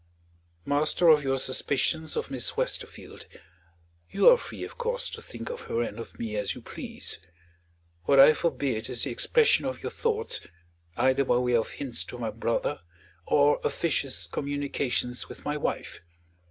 "Master of your suspicions of Miss Westerfield. You are free, of course, to think of her and of me as you please. What I forbid is the expression of your thoughts either by way of hints to my brother, or officious communications with my wife.